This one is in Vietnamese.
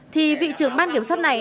thì vị trưởng ban kiểm soát này